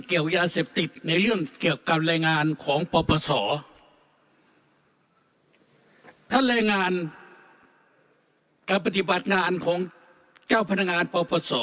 เกี่ยวยาเสพติดในเรื่องเกี่ยวกับรายงานของปปศท่านแรงงานการปฏิบัติงานของเจ้าพนักงานปปศ